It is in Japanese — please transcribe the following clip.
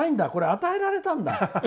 与えられたんだ。